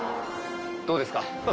どうですか？